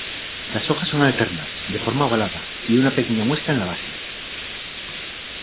Las hojas son alternas, de forma ovalada, y una pequeña muesca en la base.